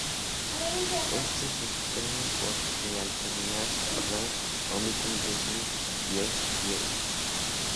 Esto sucede porque al terminar su jornada omiten decir: "si Dios quiere".